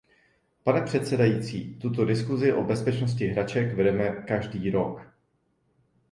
Pane předsedající, tuto diskusi o bezpečnosti hraček vedeme každý rok.